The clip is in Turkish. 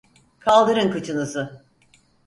Kaldırın kıçınızı!